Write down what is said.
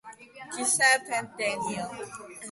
Joseph and Daniel.